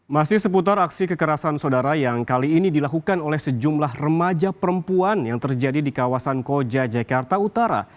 masih seputar aksi kekerasan saudara yang kali ini dilakukan oleh sejumlah remaja perempuan yang terjadi di kawasan koja jakarta utara